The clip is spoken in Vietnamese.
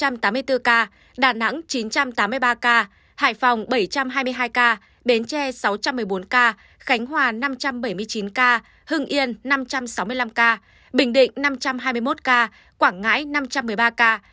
hà nội hai tám trăm tám mươi bốn ca đà nẵng chín trăm tám mươi ba ca hải phòng bảy trăm hai mươi hai ca bến tre sáu trăm một mươi bốn ca khánh hòa năm trăm bảy mươi chín ca hưng yên năm trăm sáu mươi năm ca bình định năm trăm hai mươi một ca quảng ngãi năm trăm một mươi ba ca